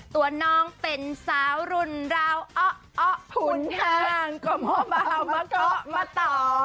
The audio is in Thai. ตัวน้องเป็นสาวรุ่นราวอ๊ะอ๊ะขุนทางก็มอบมาก็มาตอบ